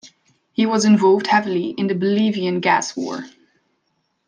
He was involved heavily in the Bolivian Gas War.